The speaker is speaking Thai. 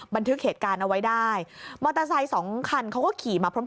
บันทึกเหตุการณ์เอาไว้ได้มอเตอร์ไซค์สองคันเขาก็ขี่มาพร้อม